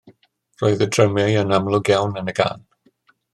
Roedd y drymiau yn amlwg iawn yn y gân.